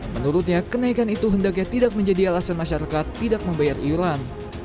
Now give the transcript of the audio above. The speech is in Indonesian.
menurutnya kenaikan itu hendaknya tidak menjadi alasan masyarakat tidak membayar iuran